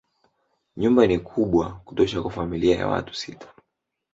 Nyumba ni kubwa kutosha kwa familia ya watu sita.